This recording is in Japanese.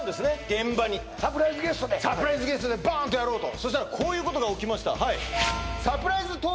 現場にサプライズゲストでサプライズゲストでバーンとやろうとそしたらこういうことが起きました